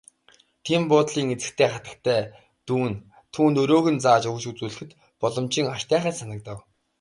Дэн буудлын эзэгтэй хатагтай Дооне түүнд өрөөг нь зааж өгч үзүүлэхэд боломжийн аятайхан санагдав.